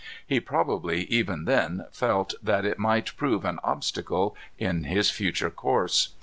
He probably, even then, felt that it might prove an obstacle in his future course.